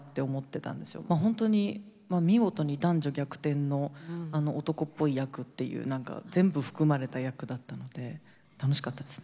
本当に見事に男女逆転の男っぽい役っていう何か全部含まれた役だったので楽しかったですね。